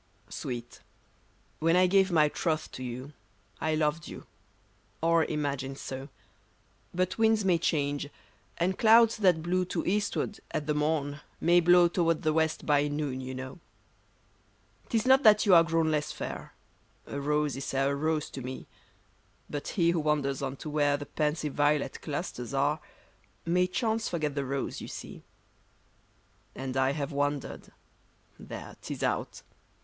WEET, when I gave my iroth to you I loved you — or imagined so ; But winds may change, and clouds that blew To Eastward at the morn, may blow Toward the West, by noon, you know. 'Tis not that you are grown less fair ; A rose is e'er a rose to me ; But he who wanders on to where The pensive violet clusters are, May chance forget the rose, you see. And I have wandered : there, 'tis out